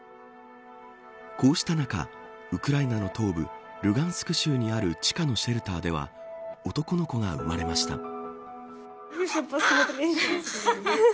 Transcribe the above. こうした中、ウクライナの東部ルガンスク州にある地下のシェルターでは男の子が生まれました。